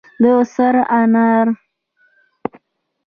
د سرو انارو هیواد افغانستان.